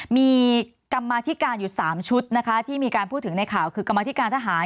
มีกรรมาธิการอยู่๓ชุดนะคะที่มีการพูดถึงในข่าวคือกรรมธิการทหาร